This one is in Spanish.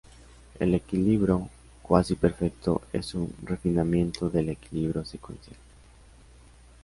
El equilibrio cuasi perfecto es un refinamiento del equilibrio secuencial.